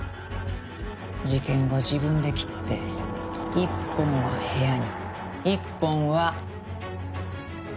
事件後自分で切って一本は部屋に一本は。